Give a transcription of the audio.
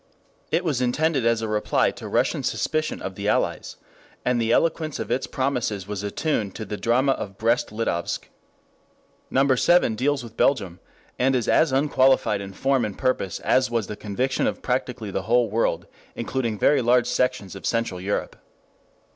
It was intended as a reply to Russian suspicion of the Allies, and the eloquence of its promises was attuned to the drama of Brest Litovsk. Number seven deals with Belgium, and is as unqualified in form and purpose as was the conviction of practically the whole world, including very large sections of Central Europe.